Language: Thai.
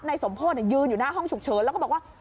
สมโพธิยืนอยู่หน้าห้องฉุกเฉินแล้วก็บอกว่า